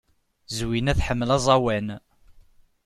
Zwina tḥemmel aẓawan.